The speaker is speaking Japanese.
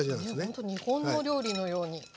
ほんと日本の料理のように。